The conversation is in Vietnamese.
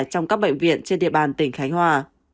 trong các bệnh viện trên địa bàn tỉnh khánh hòa